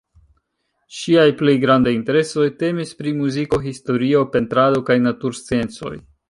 Ŝiaj plej grandaj interesoj temis pri muziko, historio, pentrado kaj natursciencoj.